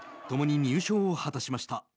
共に入賞を果たしました。